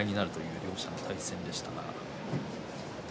両者の対戦でした。